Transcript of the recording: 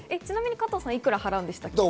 加藤さんはいくら払うんでしたっけ？